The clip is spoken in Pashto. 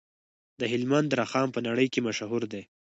د هلمند رخام په نړۍ کې مشهور دی